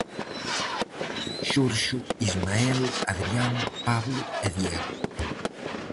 Xurxo, Ismael, Adrián, Pablo e Diego.